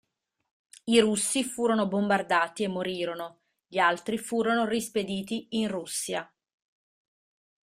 I russi furono bombardati e morirono, gli altri furono rispediti in Russia.